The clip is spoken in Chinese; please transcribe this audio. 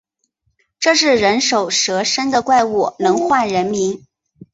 这是人首蛇身的怪物，能唤人名